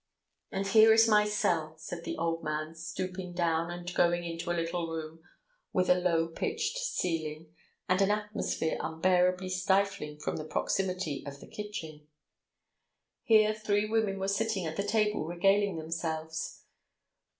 "And here is my cell," said the old man, stooping down and going into a little room with a low pitched ceiling, and an atmosphere unbearably stifling from the proximity of the kitchen. Here three women were sitting at the table regaling themselves.